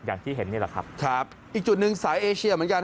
อย่างที่เห็นนี่แหละครับครับอีกจุดหนึ่งสายเอเชียเหมือนกัน